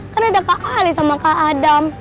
kan ada kak ali sama kak adam